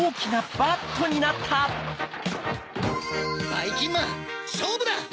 ばいきんまんしょうぶだ！